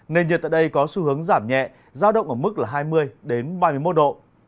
nền nhiệt tại đây có xu hướng giảm nhẹ giao động ở mức là hai mươi ba mươi một độ